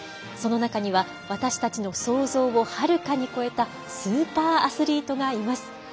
その中には私たちの想像をはるかに超えたスーパーアスリートがいます。